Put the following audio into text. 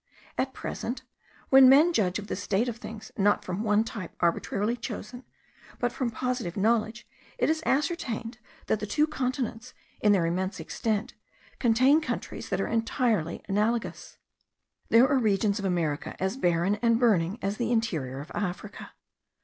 At present, when men judge of the state of things not from one type arbitrarily chosen, but from positive knowledge, it is ascertained that the two continents, in their immense extent, contain countries that are altogether analogous. There are regions of America as barren and burning as the interior of Africa.